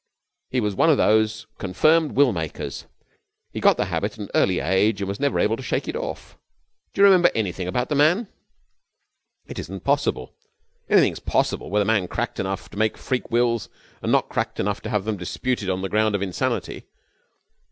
He was one of those confirmed will makers. He got the habit at an early age, and was never able to shake it off. Do you remember anything about the man?' 'It isn't possible!' 'Anything's possible with a man cracked enough to make freak wills and not cracked enough to have them disputed on the ground of insanity.